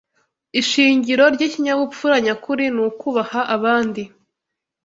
Ishingiro ry’ikinyabupfura nyakuri ni ukubaha abandi